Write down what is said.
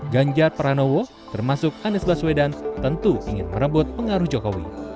ganjar pranowo termasuk anies baswedan tentu ingin merebut pengaruh jokowi